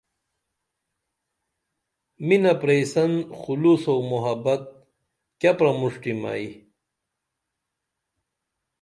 مِنہ پریسن خلوص او محبت کیہ پرمُݜٹِم ائی